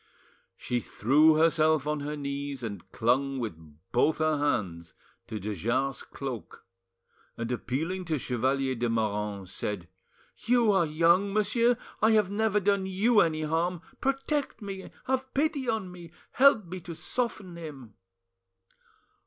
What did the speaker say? She threw herself on her knees and clung with both her hands to de Jars' cloak, and appealing to Chevalier de Moranges, said— "You are young, monsieur; I have never done you any harm; protect me, have pity on me, help me to soften him!"